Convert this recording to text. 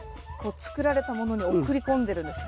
作られたものに送り込んでるんですね。